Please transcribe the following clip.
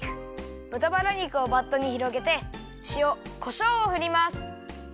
ぶたバラ肉をバットにひろげてしおこしょうをふります。